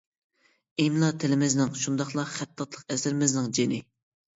ئىملا تىلىمىزنىڭ شۇنداقلا خەتتاتلىق ئەسىرىمىزنىڭ جېنى.